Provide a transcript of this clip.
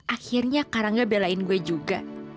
akhirnya kak rangga belain gue juga